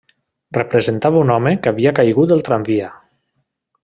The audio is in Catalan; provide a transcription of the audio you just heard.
Representava un home que havia caigut del tramvia.